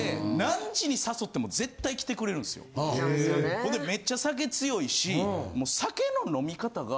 ほんでめっちゃ酒強いしもう酒の。